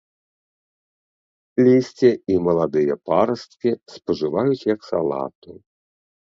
Лісце і маладыя парасткі спажываюць як салату.